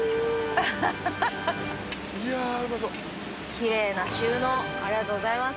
キレイな収納ありがとうございます。